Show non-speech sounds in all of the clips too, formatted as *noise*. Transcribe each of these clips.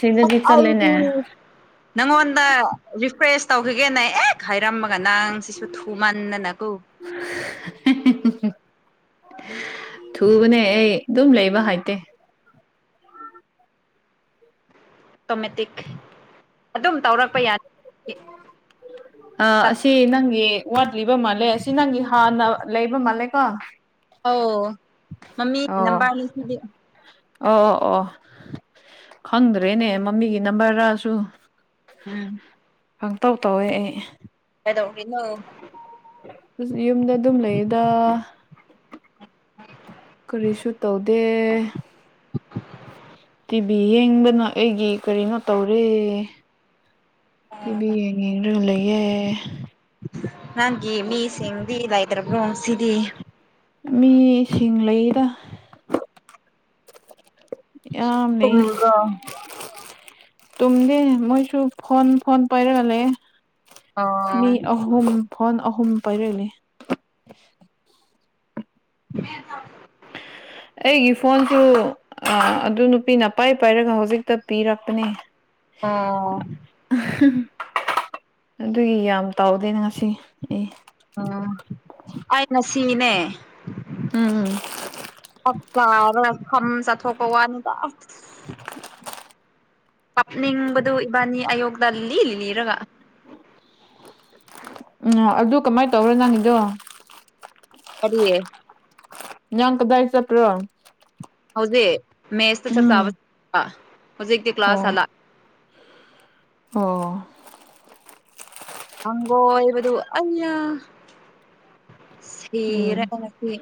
ꯁꯤꯗꯗꯤ ꯆꯠꯂꯦꯅꯦ ꯑꯣꯥꯎꯗꯤ ꯅꯪꯉꯣꯟꯗ ꯔꯤꯐ꯭ꯔꯦꯁ ꯇꯧꯈꯤꯒꯦꯅ ꯑꯦ ꯍꯥꯏꯔꯝꯃꯒ ꯅꯪ ꯁꯤꯁꯨ ꯊꯨꯃꯟꯗꯅꯀꯨ ꯊꯨꯕꯅꯦ ꯑꯩ ꯑꯗꯨꯝ ꯂꯩꯕ ꯍꯥꯏꯇꯦ ꯑꯣꯇꯣꯃꯦꯇꯤꯛ ꯑꯗꯨꯝ ꯇꯧꯔꯛꯄ ꯌꯥꯅꯤ ꯑ ꯑꯁꯤ ꯅꯪꯒꯤ ꯋꯥꯠꯂꯤꯕ ꯃꯥꯜꯂꯦ ꯑꯁꯤ ꯅꯪꯒꯤ ꯍꯥꯟꯅ ꯂꯩꯕ ꯃꯥꯜꯂꯦ ꯀꯣ ꯑꯣꯧ ꯃꯃꯤ ꯅꯕꯥꯔ ꯂꯤꯕꯤ ꯑꯣ ꯑꯣ ꯑꯣ ꯈꯪꯗ꯭ꯔꯦꯅꯦ ꯃꯃꯤꯒꯤ ꯅꯝꯕꯔꯗꯁꯨ ꯎꯝ ꯄꯪꯇꯧ ꯇꯧꯋꯦ ꯑꯩ ꯑꯗꯣ ꯏꯅꯣ ꯌꯨꯝꯗ ꯑꯗꯨꯝ ꯂꯩꯌꯦꯗ ꯀꯔꯤꯁꯨ ꯇꯧꯗꯦ ꯇꯤꯚꯤ ꯌꯦꯡꯕꯅ ꯑꯩꯒꯤ ꯀꯔꯤꯅꯣ ꯇꯧꯔꯦ ꯇꯕꯤ ꯂꯩꯌꯦ ꯅꯪꯒꯤ ꯃꯤꯁꯤꯡ ꯂ ꯏꯗ꯭ꯔꯕ꯭ꯔꯣꯁꯤꯗꯤ ꯃꯤꯁꯤꯡ ꯂꯩꯔ ꯌꯥꯝ ꯂꯩ ꯇꯨꯝꯕ꯭ꯔꯣ ꯇꯨꯝꯗꯦ ꯃꯣꯏꯁꯨ ꯐꯣꯟ ꯐꯣꯟ ꯄꯥꯏꯔ ꯂꯩꯦ ꯑꯣ ꯃꯤ ꯑꯍꯨꯝ ꯐꯣꯟ ꯑꯍꯨꯝ ꯄꯥꯏꯔꯛꯂꯤ ꯍ *inaudible* ꯑꯩꯒꯤ ꯐꯣꯟꯁꯨ ꯑꯗꯨ ꯅꯨꯄꯤꯅ ꯄꯥꯏ ꯄꯥꯏꯔꯒ ꯍꯧꯖꯤꯛꯇ ꯄꯤꯔꯛꯄꯅꯦ ꯑꫭ ꯑꯗꯨꯒꯤ ꯌꯥꯝ ꯇꯥꯎꯗꯦ ꯉꯁꯤ ꯑꯦ ꯑꯣ ꯑꯩꯅ ꯁꯤꯅꯦ ꯎꯝ ꯑꯔ ꯈꯝ ꯆ ꯊꯣꯛꯣꯛ ꯍꯋꯥꯅꯗ ꯄꯞꯅꯤ ꯏꯝꯕꯗꯨ ꯏꯕꯥꯅꯤ ꯑꯌꯣꯒ ꯂꯤ ꯏꯅꯤ ꯏꯔꯒ ꯎꯝ ꯑꯗꯨ ꯀꯃꯥꯏꯅ ꯇꯧꯔꯣ ꯅꯪꯒꯤꯗꯣ ꯑꯔꯤ ꯌꯥ ꯀꯗ ꯍ ꯆꯄ꯭ꯔꯣ ꯍꯧꯖꯤꯦ ꯃꯦꯁꯇ ꯆꯞ ꯎꯝ ꯆꯥ ꯍꯧꯖꯤꯛꯇꯤ ꯑꯣ ꯀ꯭ꯂꯥꯁ ꯑꯂ ꯑꯣ ꯑꯪꯒꯣꯣꯏꯕꯗꯨ ꯑꯌꯥ ꯎꯝ ꯁꯤꯤꯔꯦꯁꯤ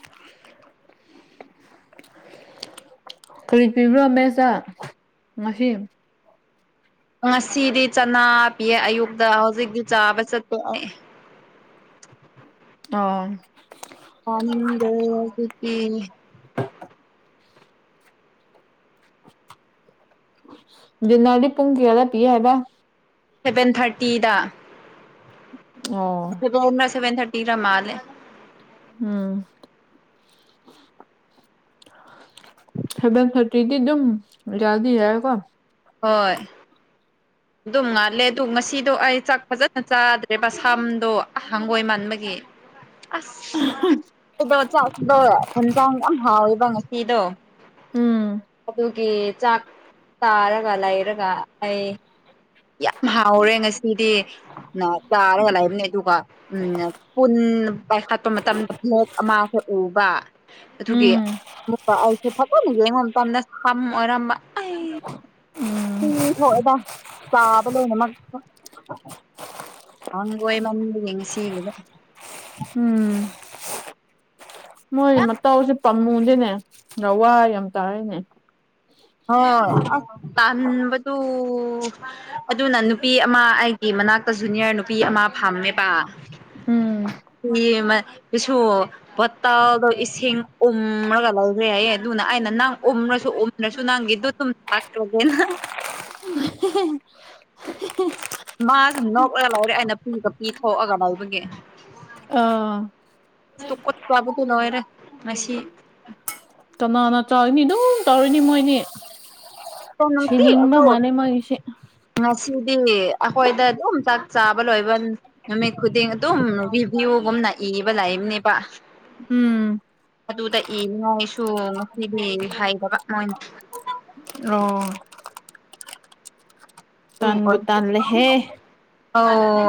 *inaudible* ꯀꯔꯤꯠ ꯄꯤꯕ꯭ꯔꯣ ꯃꯦꯁ ꯉꯁꯤ ꯉꯁꯤꯗꯤ ꯆꯅꯥ ꯄꯤꯌꯦ ꯑꯌꯨꯛꯇ ꯍꯧꯖꯤꯛꯇꯤ ꯆꯥꯕ ꯆꯠꯄꯦ ꯑꯩ ꯑꯥ ꯑꯅꯤꯡꯗ ꯅꯥꯗꯤ ꯄꯨꯡꯀꯤꯌꯥꯥ ꯄꯤꯌꯥ ꯍꯥꯏꯦꯕ ꯁꯚꯦꯟ ꯊꯥꯔꯇꯤꯗ ꯑꯣ ꯔꯅ ꯁꯦꯟꯊꯔꯇꯤ ꯃꯥꯂꯦ ꯎꯝ ꯁꯦꯚꯦꯟ ꯊꯥꯔꯇꯤꯗꯤ ꯑꯗꯨꯝ ꯌꯥꯗꯤ ꯌꯥꯔꯀꯣ ꯍꯣꯏ ꯑꯗꯨꯝ ꯉꯥꯜꯂꯦ ꯑꯗꯨꯗꯣ ꯉꯁꯤꯗꯣ ꯑꯩ ꯆꯥꯛ ꯐꯖꯅ ꯆꯥꯗ꯭ꯔꯦꯕ ꯁꯝꯗꯣ ꯍꯪꯒꯣꯏ ꯃꯟꯥꯟꯕꯒꯤ *inaudible* ꯑꯁ ꯑꯗꯣ ꯆꯥꯛꯁꯤꯗꯣ ꯍꯟꯖꯥꯡ ꯌꯥꯝ ꯍꯥꯎꯋꯦꯕ ꯉꯁꯤꯗꯣ ꯎꯝ ꯑꯗꯨꯒꯤ ꯆꯥꯛ ꯆꯥꯔꯒ ꯂꯩꯔꯒ ꯑꯩ ꯌꯥꯝ ꯍꯥꯎꯔꯦ ꯉꯁꯤꯗꯤ ꯅ ꯇꯥꯔꯒ ꯂꯩꯕꯅꯦ ꯑꯗꯨꯒ ꯎꯝ ꯄꯨꯟ ꯄꯥꯏꯈꯠꯄ ꯃꯇꯝꯗ ꯄ‌ꯣꯠ ꯑꯃꯁꯨ ꯎꯕ ꯑꯗꯨꯒꯤ ꯎꯝ ꯃꯨꯛꯀ ꯑꯩꯁꯦ ꯐꯖꯟꯅ ꯌꯦꯡꯕ ꯃꯇꯝꯗ ꯁꯝ ꯑꯣꯏꯔꯝꯕ ꯑꯩ ꯎꯝ ꯏ ꯊꯛꯑꯗ *inaudible* ꯆꯥꯕ ꯂꯣꯏꯅꯃꯛ ꯍꯪꯒꯣꯏꯃꯟꯕꯒꯤ ꯉꯁꯤ ꯎꯝ ꯃꯣꯏ ꯃꯇꯥꯎꯁꯦ ꯄꯥꯝꯃꯨꯁꯦꯅꯦ ꯋꯥ ꯌꯥꯝ ꯇꯥꯔꯅꯦ ꯍꯣꯏ ꯇꯥꯟꯕꯗꯨ ꯑꯗꯨꯅ ꯅꯨꯄꯤ ꯑꯃ ꯑꯩꯒꯤ ꯃꯅꯥꯛꯇ ꯖꯨꯅꯤꯌꯔ ꯅꯨꯄꯤ ꯑꯃ ꯐꯝꯃꯦꯕ ꯎꯝ ꯄꯁꯨ ꯇꯥꯗꯣ ꯏꯁꯤꯡ ꯎꯝꯔꯒ ꯂꯧꯈ꯭ꯔꯦ ꯍꯥꯏꯌꯦ ꯑꯗꯨꯅ ꯑꯩꯅ ꯅꯪ ꯎꯝꯔꯁꯨ ꯅꯁꯨ ꯅꯪꯗꯨ ꯇ ꯊꯥꯛ꯭ꯔꯒꯦꯅ ꯍꯤ ꯍꯤ *unintelligible* *unintelligible* ꯃꯥꯁꯨ ꯅꯣꯛꯂꯒ ꯂꯩꯔꯦ ꯑꯩꯅ ꯄꯤꯒ ꯄꯤꯊꯣꯛꯑꯒ ꯂꯩꯕꯒꯤ ꯑꯥ ꯇꯨꯀꯠꯆꯕꯗꯤ ꯂꯣꯏꯔꯦ ꯉꯁꯤ ꯀꯅꯥꯅ ꯆꯥꯒꯅꯤ ꯑꯗꯨꯝ ꯇꯧꯔꯅꯤ ꯃꯣꯏꯅꯤ ꯅꯨꯡꯇꯤ ꯁꯤꯅꯤꯡꯕ ꯑꯗꯨ ꯃꯥꯜꯂꯦ ꯃꯣꯢꯒꯤꯁꯦ ꯉꯁꯤꯗꯤ ꯑꯩꯈꯣꯏꯗ ꯑꯗꯨꯝ ꯆꯥꯛ ꯆꯥꯕ ꯂꯣꯏꯕ ꯅꯨꯃꯤꯠ ꯈꯨꯗꯤꯡ ꯑꯗꯨꯝ *unintelligible* ꯒꯨꯝꯅ ꯏꯕ ꯂꯩꯕꯅꯦꯕ ꯎꯝ ꯑꯗꯨꯗ ꯏꯅꯤꯉꯥꯏꯁꯨ ꯉꯁꯤꯗꯤ ꯍꯥꯏꯗꯕ ꯃꯣꯏꯅ ꯑꯣ ꯇꯨꯟ ꯇꯟꯕꯨ ꯇꯜꯂꯦꯍꯦ *inaudible* ꯑꯧ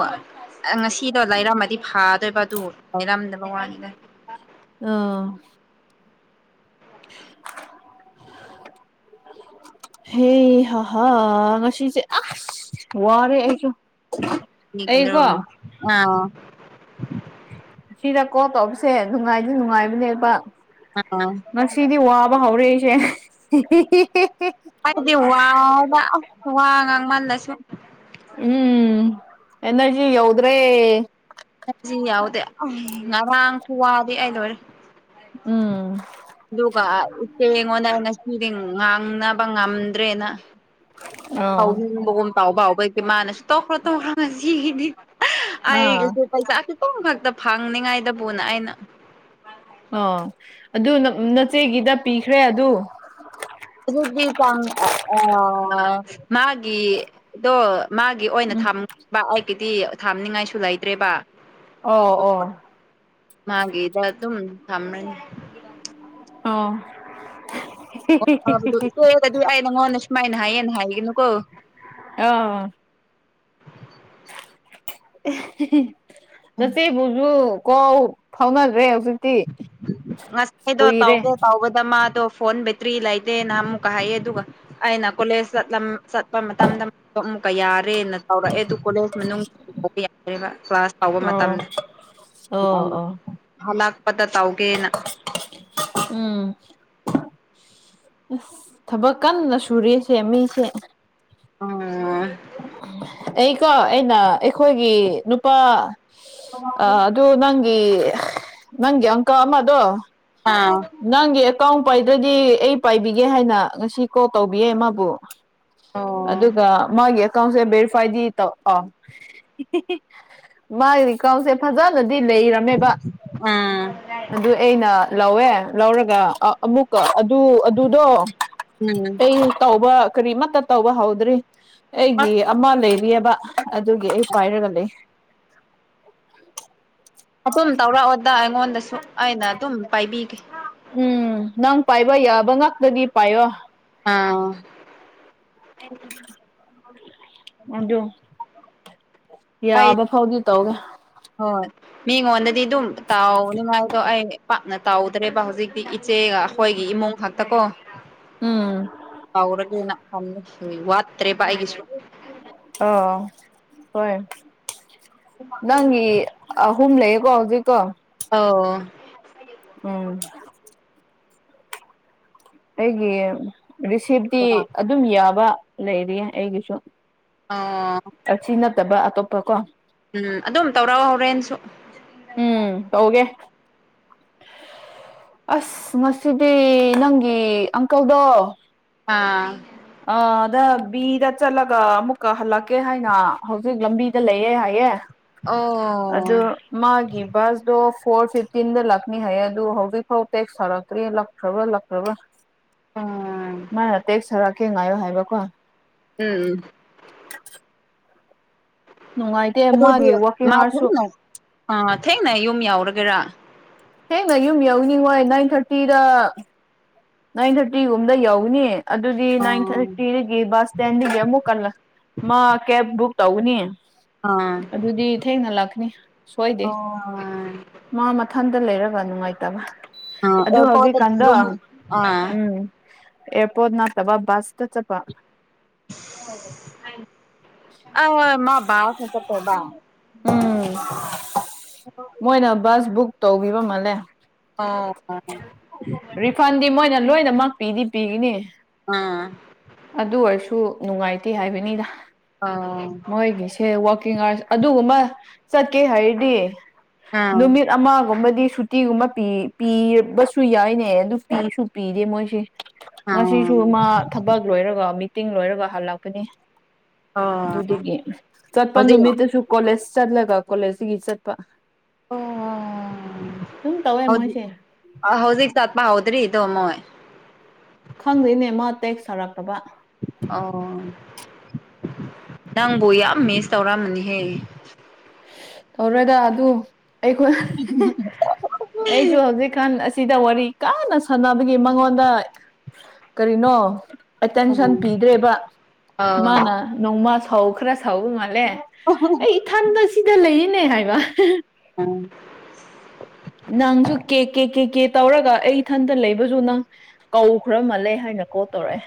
ꯑ ꯉꯁꯤꯗꯣ ꯂꯩꯥꯔꯝꯃꯗꯤ ꯐꯥꯗꯣꯏꯕ ꯑꯗꯨ ꯂꯩꯔꯝꯗꯕ ꯋꯥꯅꯤꯗ ꯑꯥ ꯍꯦ ꯍꯩ ꯍꯥ ꯉꯁꯤꯁꯦ ꯑꯁ ꯋꯥꯔꯦ ꯑꯩꯁꯨ ꯑꯩꯀꯣ *unintelligible* ꯑꯁꯤꯗ ꯀꯣꯜ ꯇꯧꯕꯁꯦ ꯅꯨꯡꯉꯥꯏꯗꯤ ꯅꯨꯡꯉꯥꯏꯕꯅꯦꯕ ꯑꯥ ꯉꯁꯤꯗꯤ ꯋꯥꯕ ꯍꯧꯔꯦ ꯑꯩꯁꯦ ꯍꯤ ꯍꯤ ꯍꯥꯢꯕꯗꯤ ꯋꯥꯕꯥ ꯋꯥꯉꯥꯡ ꯃꯟꯂꯁꯨ ꯎꯝ ꯑꯦꯅꯔꯖꯤ ꯌꯧꯗ꯭ꯔꯦ ꯑꯦꯗꯖꯤꯟ ꯌꯥꯎꯗꯦ ꯑ ꯉꯔꯥꯡ ꯈꯨꯋꯥꯗꯤ ꯑꯩ ꯂꯣꯏꯔꯦ ꯎꯝ ꯑꯗꯨꯒ ꯏꯆꯦ ꯑꯩꯉꯣꯟꯗ ꯑꯩ ꯉꯁꯤꯗꯤ ꯉꯥꯡꯅꯕ ꯉꯝꯗ꯭ꯔꯦꯅ ꯑꯣ ꯍꯧꯅꯤꯡꯕꯒꯨꯝ ꯇꯧꯕ ꯍꯧꯕꯒꯤ ꯃꯥꯅꯁꯨ ꯇꯧꯈ꯭ꯔꯣ ꯇꯧꯈ꯭ꯔ‌ꯣ ꯉꯁꯤꯒꯤꯗꯤ ꯑꯥ ꯑꯩꯒꯤꯁꯨ ꯄꯩꯁꯥ ꯈꯤꯇꯪ ꯈꯛꯇ ꯐꯪꯅꯤꯡꯉꯥꯏꯗꯕꯨꯅ ꯑꯩꯅ ꯑꯣ ꯑꯗꯨ ꯅ ꯅꯆ‌ꯦꯒꯤꯗ ꯄꯤꯈ꯭ꯔꯦ ꯑꯗꯨ ꯑꯗꯨꯗꯤ ꯇꯪ ꯑ ꯑꯥ ꯃꯥꯒꯤ ꯑꯗꯣ ꯃꯥꯒꯤ ꯑꯣꯏꯅ ꯊꯝꯕ ꯑꯩꯒꯤꯗꯤ ꯊꯝꯅꯤꯡꯉꯥꯏꯁꯨ ꯂꯩꯇ꯭ꯔꯦꯕ ꯑꯣ ꯑꯣ ꯃꯥꯒꯤꯗ ꯗꯨꯝ ꯊꯝꯔꯅꯤ ꯑꯥ *unintelligible* ꯅꯪꯉꯣꯟꯗ ꯁꯨꯃꯥꯏꯅ ꯍꯥꯏꯌꯦꯅ ꯍꯥꯏꯒꯅꯨꯀꯣ ꯑ ꯑꯍꯤꯍꯤ ꯅꯆꯦꯕꯨꯖꯨ ꯀꯣ ꯐꯥꯎꯅꯗ꯭ꯔꯦ ꯍꯧꯖꯤꯛ ꯉꯁꯥꯏꯗꯣ ꯇꯧꯒꯦ ꯇꯧꯕꯗ ꯃꯥꯗꯣ ꯐꯣꯟ ꯕ‌ꯦ ꯇ꯭ꯔꯤ ꯂꯩꯇꯦꯅ ꯑꯃꯨꯛꯀ ꯍꯥꯏꯌꯦ ꯑꯗꯨꯒ ꯑꯩꯅ ꯀꯣꯂꯦꯖ ꯆꯠꯄ ꯃꯇꯝꯗ ꯀ ꯌꯥꯔꯦꯅ ꯇꯧꯔꯛꯑꯦ ꯑꯗꯨ ꯀꯣꯂꯦꯖ ꯃꯅꯨꯡ ꯌꯥꯗꯦꯕ ꯀ꯭ꯂꯥꯁ ꯇꯧꯕ ꯑꯣ ꯃꯇꯝꯗ ꯑꯣ ꯑꯩꯅ ꯑꯣ ꯍꯜꯂꯛꯄꯗ ꯇꯧꯒꯦꯅ ꯎꯝ ꯑꯁ ꯊꯕꯛ ꯀꯟꯅ ꯁꯨꯔꯤꯁꯦ ꯃꯤꯁꯦ ꯎꯝ ꯑꯩꯀꯣ ꯑꯩꯅ ꯑꯩꯈꯣꯏꯒꯤ ꯅꯨꯄꯥ ꯑ ꯑꯗꯨ ꯅꯪꯒꯤ ꯅꯪꯒꯤ ꯑꯪꯀ ꯑꯃꯗꯣ ꯑꯥ ꯅꯪꯒꯤ ꯑꯦꯀꯥꯎꯟ ꯄꯥꯏꯗ꯭ꯔꯗꯤ ꯑꯩ ꯄꯥꯏꯕꯤꯒꯦ ꯍꯥꯏꯅ ꯉꯁꯤ ꯀꯣꯜ ꯇꯧꯕꯤꯌꯦ ꯃꯥꯕꯨ ꯑꯣ ꯑꯗꯨꯒ ꯃꯥꯒꯤ ꯑꯦꯀꯥꯎꯟꯁꯦ ꯚꯦꯔꯤꯐꯥꯏꯗꯤ ꯇꯧ ꯑꯥ ꯍꯤ ꯍꯤ ꯃꯥꯒꯤ ꯑꯦꯀꯥꯎꯟꯁꯦ ꯐꯖꯅꯗꯤ ꯂꯩꯔꯝ ꯎꯝ ꯑꯗꯨ ꯑꯩꯅ ꯂꯧꯋꯦ ꯂꯧꯔꯒ ꯑ ꯑꯃꯨꯛꯀ ꯑꯗꯨ ꯑꯗꯨꯗꯣ ꯎꯝ ꯀꯩ ꯇꯧꯕ ꯀꯔꯤꯃꯠꯇ ꯇꯧꯕ ꯍꯧꯗ꯭ꯔꯤ ꯑꯩꯒꯤ ꯑꯃ ꯂꯩꯔꯤꯑꯦꯕ ꯑꯗꯨꯒꯤ ꯑꯩ ꯄꯥꯏꯔꯒ ꯂꯩ ꯑꯗꯨꯝ ꯇꯧꯔꯛꯑꯣꯗ ꯑꯩꯉꯣꯟꯗꯁꯨ ꯑꯩꯅ ꯑꯗꯨꯝ ꯄꯥꯏꯕꯤꯒꯦ ꯎꯝ ꯅꯪ ꯄꯥꯏꯕ ꯌꯥꯕ ꯉꯥꯛꯇꯗꯤ ꯄꯥꯏꯌꯣ ꯑꯥ ꯑꯣ ꯍꯣꯏ ꯌꯥꯕ ꯐꯥꯎꯗꯤ ꯇꯧꯔꯦ ꯍꯣꯏ ꯃꯤꯉꯣꯟꯗꯗꯤ ꯑꯗꯨꯝ ꯇꯥꯎꯅꯤꯡꯉꯥꯏꯗꯣ ꯑꯩ ꯄꯥꯛꯅ ꯇꯥꯎꯗ꯭ꯔꯦꯕ ꯍꯧꯖꯤꯛꯇꯤ ꯏꯆꯦꯒ ꯑꯩꯈꯣꯏꯒꯤ ꯏꯃꯨꯡ ꯉꯥꯛꯇꯀꯣ ꯎꯝ ꯀꯥꯎꯔꯒꯦꯅ ꯋꯥꯠꯇ꯭ꯔꯦꯕ ꯑꯩꯒꯤꯁꯨ ꯑꯣ ꯍꯣꯏ ꯅꯪꯒꯤ ꯑꯍꯨꯝ ꯂꯩꯌꯦꯦꯀꯣ ꯍꯧꯖꯤꯛꯀꯣ ꯑꯣ ꯎꯝ ꯑꯩꯒꯤ ꯔꯤꯁꯤꯞꯇꯤ ꯑꯣ ꯑꯗꯨꯝ ꯌꯥꯕ ꯂꯩꯔꯤ ꯑꯩꯒꯤꯁꯨ ꯑꯥ ꯑꯁꯤ ꯅꯠꯇꯕ ꯑꯇꯣꯞꯄ ꯀꯣ ꯎꯝ ꯑꯗꯨꯝ ꯇꯧꯔꯛꯑꫭ ꯍꫭꯔꯦꯟꯁꯨ ꯎꯝ ꯇꯧꯒꯦ ꯑꯁ ꯉꯁꯤꯗꯤ ꯅꯪꯒꯤ ꯑꯪꯀꯜꯗꯣ ꯑꯥ ꯑꯗ ꯕꯤꯗ ꯆꯠꯂꯒ ꯑꯃꯨꯛꯀ ꯍꯜꯂꯛꯀꯦ ꯍꯥꯏꯅ ꯍꯧꯖꯤꯛ ꯂꯝꯕꯤꯗ ꯂꯩꯌꯦꯦ ꯍꯥꯏꯌꯦꯦ ꯑꯣ ꯑꯗ ꯃꯥꯒꯤ ꯕꯁꯗꯣ ꯐꯣꯔ ꯐꯤꯐꯇꯤꯟꯗ ꯂꯥꯛꯅꯤ ꯍꯥꯏ ꯑꯗꯨ ꯍꯧꯖꯤꯛꯐꯥꯎ ꯇꯦꯛꯁ ꯊꯧꯔꯛꯇ꯭ꯔꯤ ꯂꯥꯛꯇ꯭ꯔꯕ꯭ꯔꯥ ꯂꯥꯛꯇ꯭ꯔꯕ꯭ꯔꯥ ꯎꯝ ꯃꯥꯅ ꯇꯦꯛ ꯁꯥꯔꯛꯀꯦ ꯉꯥꯏꯌꯣ ꯍꯥꯏꯕꯀꯣ ꯎꯝ ꯎꯝ ꯅꯨꯡꯉꯥꯏꯇꯦ ꯑꯗꯨꯗꯤ ꯃꯥꯒꯤ ꯋꯥꯛꯀꯤꯡ ꯃꯥ ꯑꯥꯔꯁꯨ ꯊꯦꯡꯅ ꯑꯥ ꯊꯦꯡꯅ ꯌꯨꯝ ꯌꯥꯎꯔꯒꯦꯔꯥ ꯍꯦꯡꯅ ꯌꯨꯝ ꯌꯎꯅꯤꯡꯉꯣꯏ ꯅꯥꯏꯟ ꯊꯥꯔꯇꯤꯗ ꯅꯥꯏꯟ ꯊꯥꯔꯇꯤꯒꯨꯝꯕꯗ ꯌꯧꯅꯦ ꯑꯗꯨꯗꯤ ꯅꯥꯏꯟ ꯑꯣ ꯊꯥꯔꯇꯤꯗꯒꯤ ꯕꯁ ꯁ꯭ꯇꯦꯟꯗꯒꯤ ꯑꯃꯨꯛ ꯀꯜꯂ ꯃꯥ ꯀꯦꯕ ꯕꯨꯛ ꯇꯧꯅꯤ ꯑꯥ ꯑꯗꯨꯗꯤ ꯊꯦꯡꯅ ꯂꯥꯛꯀꯅꯤ ꯁꯣꯏꯗꯦ ꯑꯣ ꯃꯥ ꯃꯊꯟꯇ ꯂꯩꯔꯒ ꯅꯨꯡꯉꯥꯏꯇꯕ ꯑ ꯑꯗꯨ ꯑꯣ ꯐꯥꯎꯠꯇ ꯍꯧꯖꯤꯛꯀꯥꯟꯗꯣ ꯔꯝ ꯑ ꯎꯝ ꯑꯦꯄꯅꯠꯇꯕ ꯁꯇ ꯆꯄꯥ ꯑ ꯃꯥ ꯁ ꯆꯠꯇꯕ ꯎꯝ ꯃꯣꯏꯅ ꯕꯁ ꯕꯨꯛ ꯇꯧꯕꯤꯕ ꯃꯥꯜꯂꯦ ꯑꯣ ꯑꯣ ꯑꯩꯅ ꯃꯥ ꯄꯤꯗꯤ ꯄꯤꯒꯅꯤ ꯑꯗꯨ ꯑꯣꯏꯔꯁꯨ ꯅꯨꯡꯉꯥꯏꯇꯦ ꯍꯥꯏꯕꯅꯤꯗ ꯑꯣ ꯑꯩꯒꯤꯁꯦꯀꯤꯡ ꯑꯔ ꯑꯗꯨꯒꯨꯝꯕ ꯆꯠꯀꯦ ꯍꯥꯏꯔꯗꯤ ꯅꯨꯃꯤꯠ ꯑꯃꯒꯨꯝꯕꯗꯤ ꯁꯨꯇꯤꯒꯨꯝꯕ ꯄꯤꯕꯁꯨ ꯌꯥꯏꯅꯦ ꯑꯗꯨ ꯄꯤꯁꯨ ꯄꯤꯗꯦ ꯃꯣꯏꯁꯦ ꯑꯥ ꯉꯁꯤꯁꯨ ꯃꯥ ꯊꯕꯛ ꯂꯣꯏꯔꯒ ꯃꯤꯇꯤꯡ ꯂꯣꯏꯔꯒ ꯍꯜꯂꯛꯄꯅꯤ ꯑꯣ ꯑꯗꯨꯗꯒꯤ ꯆꯠꯄ ꯍꯧꯖꯤꯛ ꯅꯨꯃꯤꯠꯇꯁꯨ ꯀꯣꯂꯦꯖ ꯆꯠꯂꯒ ꯀꯣꯂꯦꯖꯇꯒꯤ ꯆꯠꯄ *inaudible* ꯁ ꯇꯋꯥꯏ ꯃꯁꯦ ꯑ ꯍꯧꯖꯤꯛ ꯆꯠꯄꯥ ꯍꯧꯥꯎꯗ꯭ꯔꯤ ꯇ ꯃꯣꯏ ꯈꯪꯗꯣꯏꯅꯦ ꯃꯥ ꯇꯦꯛꯁ ꯁꯥꯔꯛꯇꯕ ꯑꯣ ꯅꯪꯕ ꯌꯥꯝ ꯃꯦꯁ ꯇꯧꯔꯥ ꯃꯍꯦ ꯇꯧꯔꯒ ꯑꯗꯨ ꯑꯩꯈꯣꯏ ꯑꯩꯁꯨ ꯍꯧꯖꯤꯛꯀꯥꯟ ꯑꯁꯤꯗ ꯋꯥꯔꯤ ꯀꯥꯟꯅ ꯁꯥꯟꯅꯕꯒꯤ ꯃꯉꯣꯟꯗ ꯀꯔꯤꯅꯣ ꯑꯥ ꯑꯥ ꯑꯦꯇꯦꯟꯁꯟ ꯄꯤꯗ꯭ꯔꯦꯕ ꯃꯥꯅ ꯅꯣꯡꯃ ꯁꯥꯎꯈ꯭ꯔꯥ ꯁꯥꯎꯕ ꯃꯥꯂꯦ ꯑꯩ ꯊꯥꯟꯗ ꯁꯤꯗ ꯂꯩꯔꯤꯅꯦ ꯍꯥꯏꯕ ꯎꯝ *inaudible* ꯅꯪꯁꯨ ꯀꯦ ꯀꯦ ꯀꯦ ꯀꯦ ꯇꯧꯔꯒ ꯑꯩ ꯏꯊꯟꯇ ꯂꯩꯕꯁꯨ ꯅꯪ ꯀꯧ ꯈꯔ ꯃꯥꯜꯂꯦ ꯍꯥꯏꯅ ꯀꯣ ꯇꯧꯔꯛꯑꯦ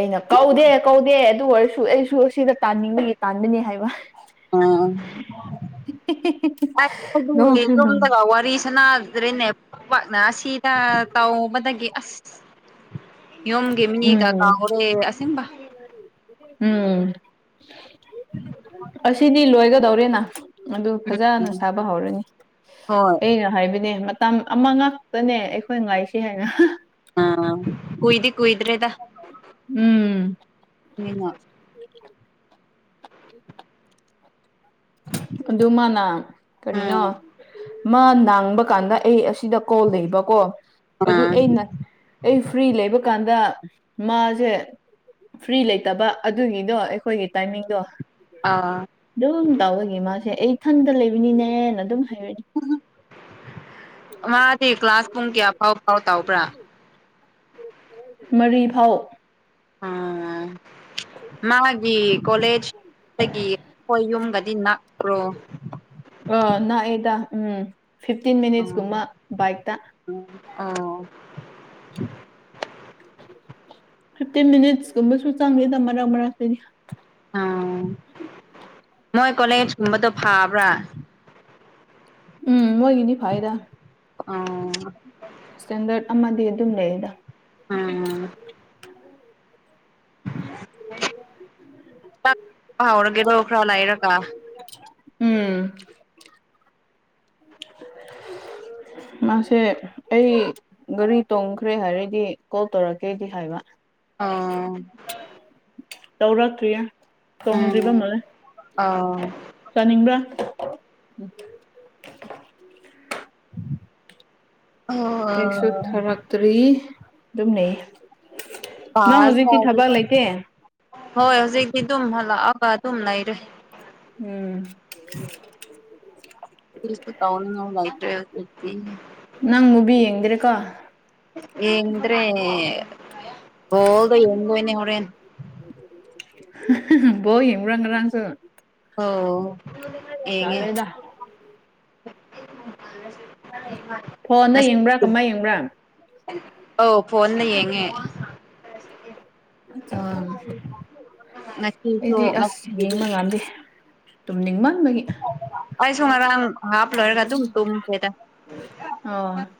ꯑꯩꯅ ꯀꯧꯗꯦ ꯀꯧꯗꯦ ꯑꯗꯨ ꯑꯣꯏꯔꯁꯨ ꯑꯩꯁꯨ ꯁꯤꯗ ꯇꯥꯟꯅꯤꯡꯉꯒꯤ ꯇꯥꯟꯕꯥꯟꯕꯅꯤ ꯍꯥꯏꯕ ꯑꯥ *unintelligible* *inaudible* ꯑꯩꯗꯤ ꯅꯣꯛꯁꯨ ꯆꯣꯝꯗ ꯋꯥꯔꯤ ꯁꯅꯥꯗ꯭ꯔꯦꯅꯦ ꯄꯥꯛꯅ ꯑꯁꯤꯗ ꯇꯧꯕꯗꯒꯤ ꯑꯁ ꯌꯣꯝꯒꯦ ꯃꯤꯅꯤ ꯀ ꯀꯥ ꯎꯝ ꯍꯔꯦ ꯑꯁꯦꯕ ꯎꯝ *inaudible* ꯑꯁꯤꯗꯤ ꯂꯣꯏꯒꯗꯧꯔꯦꯅ ꯑꯗꯨ ꯐꯖꯅ ꯎꯝ ꯁꯥꯕ ꯍꯧꯔꯅꯤ ꯍꯣꯏ ꯑꯩꯅ ꯍꯥꯏꯕꯅꯦ ꯃꯇꯝ ꯑꯃ ꯉꯥꯛꯇꯅꯦ ꯑꯩꯈꯣꯏ ꯉꯥꯏꯁꯤ ꯍꯥꯏꯅ ꯑ ꯀꯨꯏ ꯗꯤ ꯀꯨꯣꯏꯗ꯭ꯔꯦꯗ ꯎꯝ ꯌꯦꯉ *unintelligible* ꯑꯗꯨ ꯃꯥꯅ ꯀꯔꯤꯅꯣ ꯎꯝ ꯃꯥꯅ ꯥꯡꯕ ꯀꯥꯟꯗ ꯑꯩ ꯑꯁꯤꯗ ꯀꯣꯜ ꯂꯩꯕꯀꯣ ꯑꯗꯨ ꯑꯥ ꯑꯩꯅ ꯑꯩ ꯐ꯭ꯔꯤ ꯂꯩꯕꯀꯥꯟꯗ ꯃꯥꯁꯦ ꯐ꯭ꯔꯤ ꯂꯩꯇꯕ ꯑꯗꯨꯒꯤꯗꯣ ꯑꯩꯈꯣꯏꯒꯤ ꯇꯥꯏꯃꯤꯡꯗꯣ ꯑꯥ ꯑꯗꯨꯝ ꯇꯥꯎꯕꯒ ꯃꯥꯁꯦ ꯑꯩ ꯏꯊꯟꯇ ꯂꯩꯕꯅꯤꯅꯦꯅ ꯑꯗꯨꯝ ꯍꯥꯏꯔꯅꯤ ꯃꯥꯗꯤ ꯀ꯭ꯂꯥꯁ ꯄꯨꯡ ꯀꯌꯥ ꯐꯥꯎ ꯐꯥꯎ ꯇꯥꯎꯕ꯭ꯔꯥ ꯃꯔꯤ ꯐꯥꯎ ꯑꯥ *unintelligible* ꯃꯥꯒꯤ ꯀꯣꯂꯦꯖꯒꯤ ꯑꯩꯈꯣꯏ ꯌꯨꯝꯒꯗꯤ ꯅꯛꯄ꯭ꯔꯣ ꯑ ꯂꯥꯛꯑꯦꯗ ꯎꯝ ꯐꯤꯐꯇꯤꯟ ꯃꯤꯅꯤꯠꯁꯀꯨꯝꯕ ꯕꯥꯏꯛꯇ ꯎ ꯑ *unintelligible* *inaudible* ꯐꯤꯐꯇꯤꯟ ꯃꯤꯅꯤꯠꯁ ꯀꯨꯝꯕꯁꯨ ꯆꯪꯉꯦꯗ ꯃꯔꯛ ꯃꯔꯛꯇꯗꯤ ꯑꯣ ꯃꯣꯏ ꯀꯣꯂꯦꯖꯀꯨꯝꯕꯗꯣ ꯐꯥꯕ꯭ꯔꯥ ꯎꯝ ꯃꯣꯏꯒꯤꯅꯤ ꯐꯥꯏꯗ ꯑꯣ *inaudible* ꯏꯁꯇꯦꯟꯗꯔꯠ ꯑꯃꯗꯤ ꯑꯗꯨꯝ ꯂꯩꯗ ꯎꯝ ꯍꯥꯎꯔꯒꯦꯗꯣ ꯈꯔ ꯂꯥꯏꯔꯒ ꯎꯝ *inaudible* ꯃꯥꯁꯦ ꯑꯩ ꯒꯥꯔꯤ ꯇꯣꯡꯈ꯭ꯔꯦ ꯍꯥꯏꯔꯗꯤ ꯀꯣꯜ ꯇꯧꯔꯛꯀꯦꯗꯤ ꯍꯥꯏꯕ ꯑꯥ ꯇꯧꯔꯛꯇ꯭ꯔꯤꯌꯦ ꯎꯝ ꯇꯣꯡꯗ꯭ꯔꯤꯕ ꯃꯥ ꯑꯣ ꯆꯥꯅꯤꯡꯕ꯭ꯔꯥ ꯎ ꯀꯩꯁꯨ ꯑꯣ ꯊꯥꯔꯛꯇ꯭ꯔꯤ ꯑꯗꯨꯝ ꯂꯩ ꯅꯪ ꯄꯥꯁ ꯍꯧꯖꯤꯛꯇꯤ ꯊꯕꯛ ꯇꯧꯔꯒ ꯂꯩꯇꯦ ꯍꯣꯏ ꯍꯧꯖꯤꯛꯇꯤ ꯑꯗꯨꯝ ꯍꯂꯛꯑꯒ ꯑꯗꯨꯝ ꯂꯩꯔꯦ ꯎꯝ *inaudible* ꯇꯧ ꯅꯥ ꯉꯥꯏ ꯂꯏꯇ꯭ꯔꯇ ꯅꯪ ꯃꯨꯕꯤ ꯌꯦꯡꯗꯔꯦꯀꯣ ꯌꯦꯉꯗ꯭ꯔꯦ ꯍꯣꯜꯗ ꯌꯦꯣꯏꯅꯤ ꯍꯣꯔꯦ ꯕꯣꯜ ꯌꯦꯡꯕꯔꯥ ꯉꯔꯪꯁꯨ ꯑꯣ ꯌꯦꯡ ꯉꯦ꯫ ꯇꯜꯂꯦꯗ ꯐꯣꯟꯗ ꯁ ꯌꯦꯡꯕ꯭ꯔꯥ ꯀꯃꯥꯏ ꯌꯦꯡꯕ꯭ꯔꯥ ꯑꯣ ꯐꯅ ꯌꯦꯡꯉꯦ ꯑ ꯅꯁꯨ ꯀꯗꯤ ꯇꯨ ꯅꯤꯡꯃꯥꯟ ꯃ ꯑꯥꯏꯁꯨꯨꯃꯔ ꯍꯥꯐ ꯂꯔꯒ ꯊꯨꯡ ꯇꯣꯦ ꯑ